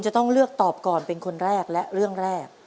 จะต้องเลือกตอบก่อนเป็นคนแรกและเรื่องแรก